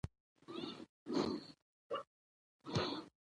وس اودس په څۀ وکړم